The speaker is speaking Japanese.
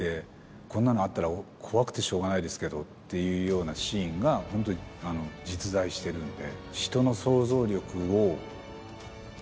こんなのあったら怖くてしょうがないですけどっていうようなシーンがホントに実在してるんで。